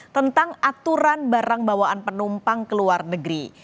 tentang aturan barang bawaan penumpang ke luar negeri